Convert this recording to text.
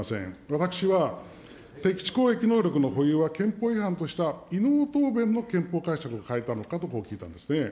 私は、敵基地攻撃能力の保有は、憲法違反とした伊能答弁の憲法解釈を変えたのかと、こう聞いたんですね。